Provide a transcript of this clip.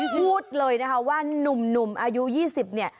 พูดเลยนะคะว่านุ่มอายุ๒๐เนี่ย